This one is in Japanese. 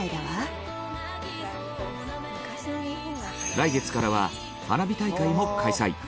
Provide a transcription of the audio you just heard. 来月からは花火大会も開催。